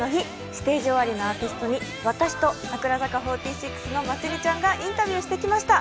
ステージ終わりのアーティストに私と櫻坂４６のまつりちゃんがインタビューしてきました。